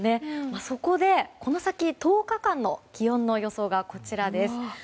そこで、この先１０日間の気温の予想がこちらです。